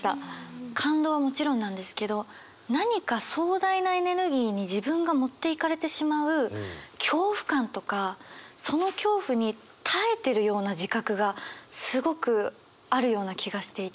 感動はもちろんなんですけど何か壮大なエネルギーに自分が持っていかれてしまう恐怖感とかその恐怖に耐えてるような自覚がすごくあるような気がしていて。